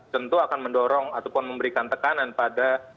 tentu akan mendorong ataupun memberikan tekanan pada